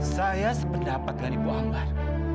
saya sependapat dengan ibu ambar